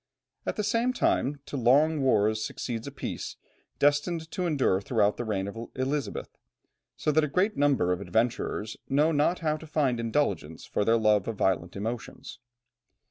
At the same time, to long wars succeeds a peace, destined to endure throughout the reign of Elizabeth, so that a great number of adventurers know not how to find indulgence for their love of violent emotions.